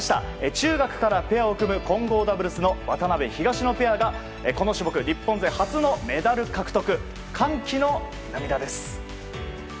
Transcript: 中学からペアを組む混合ダブルスの渡辺、東野ペアがこの種目、日本勢初のメダル獲得、歓喜の涙です。